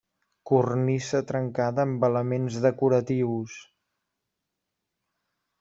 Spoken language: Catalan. Cornisa trencada amb elements decoratius.